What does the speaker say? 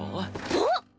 あっ！